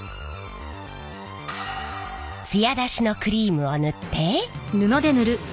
ツヤ出しのクリームを塗って。